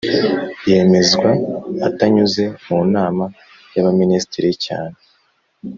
yemezwa atanyuze mu Nama y AbaMinisitiri cyane